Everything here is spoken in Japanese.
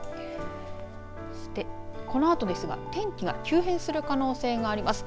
そして、このあとですが天気が急変する可能性があります。